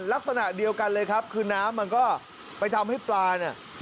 ลักษณะเดียวกันเลยครับคือน้ำมันก็ไปทำให้ปลาเนี่ย